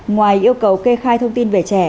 ngoài yêu cầu kê khai thông tin về trẻ